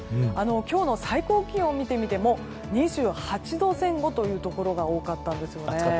今日の最高気温を見ても２８度前後というところが多かったですね。